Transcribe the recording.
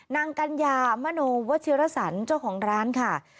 กัญญามโนวัชิรสันเจ้าของร้านค่ะ